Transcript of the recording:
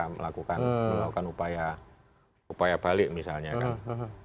melakukan upaya balik misalnya kan